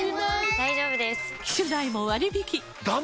大丈夫です！